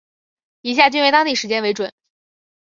以下均为当地时间为准。